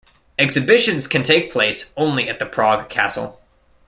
Exhibitions can take place only at the Prague Castle.